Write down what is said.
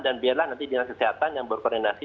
dan biarlah nanti dinas kesehatan yang berkoordinasi